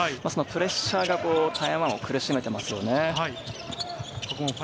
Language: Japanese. プレッシャーが台湾を苦しめていますよね。